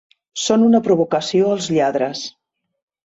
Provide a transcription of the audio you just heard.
Són una provocació als lladres.